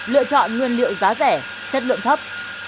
lựa chọn nguyên liệu giá rẻ chất lượng thấp